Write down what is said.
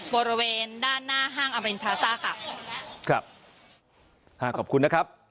บริเวณด้านหน้าห้างอมรินพลาซ่าค่ะครับอ่าขอบคุณนะครับ